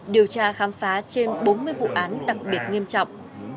điều tra khám phá trên bốn mươi vụ án đặc biệt nghiêm trọng